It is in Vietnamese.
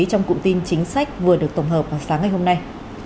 trong cụm tin chính sách vừa được tổng hợp vào sáng ngày hôm nay